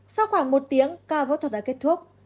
sau khoảng một tiếng ca phẫu thuật đã kết thúc